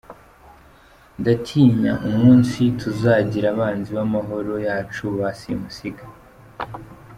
Ndatinya umunsi, tuzagira abanzi b’ amahoro yacu ba simusiga.